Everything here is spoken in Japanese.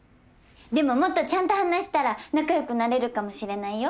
でももっとちゃんと話したら仲良くなれるかもしれないよ。